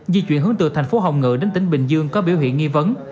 di chuyển hướng từ thành phố hồng ngự đến tỉnh bình dương có biểu hiện nghi vấn